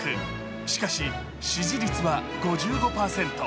しかし、支持率は５５％。